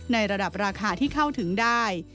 ในระดับราคาที่เข้าถึงได้